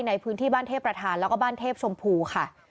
ในพื้นที่บ้านเทพประธานแล้วก็บ้านเทพชมพูค่ะ